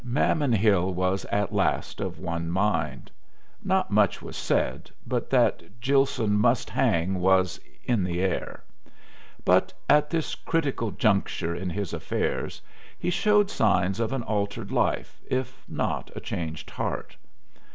Mammon Hill was at last of one mind. Not much was said, but that Gilson must hang was "in the air." But at this critical juncture in his affairs he showed signs of an altered life if not a changed heart.